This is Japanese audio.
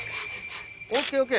ＯＫＯＫ。